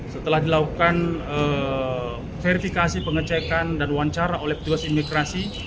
setelah dilakukan verifikasi pengecekan dan wawancara oleh petugas imigrasi